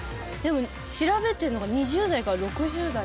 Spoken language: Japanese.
調べてんのが２０代から６０代。